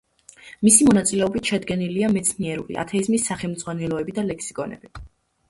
მისი მონაწილეობით შედგენილია მეცნიერული ათეიზმის სახელმძღვანელოები და ლექსიკონები.